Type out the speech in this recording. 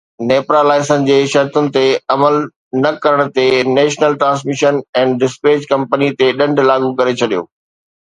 NEPRA licence جي شرطن تي عمل نه ڪرڻ تي national transmission and dispatch company تي ڏنڊ لاڳو ڪري ڇڏيو